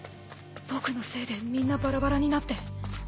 僕のせいでみんなバラバラになって。